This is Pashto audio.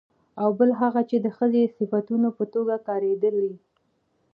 او بل هغه چې د ښځې د صفتونو په توګه کارېدلي